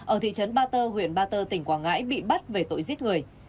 ở thị trấn ba tơ huyện ba tơ tỉnh quảng ngãi bị bắt về tội giết người